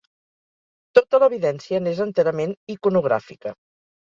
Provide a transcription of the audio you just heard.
Tota l'evidència n'és enterament iconogràfica.